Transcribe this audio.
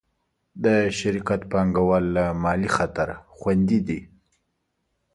د شرکت پانګهوال له مالي خطره خوندي دي.